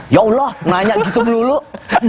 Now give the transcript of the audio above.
ya udah gue ga nanya vaikiale itu kali ya